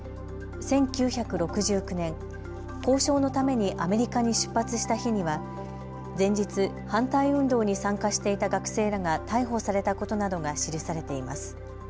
１９６９年、交渉のためにアメリカに出発した日には前日、反対運動に参加していた学生らが逮捕されたことなどが記されています。